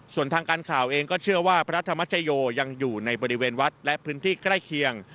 ส่วนทางการข่าวเองก็เชื่อว่าพระธรรมชโยยังอยู่ในบริเวณวัดและพื้นที่ใกล้เคียง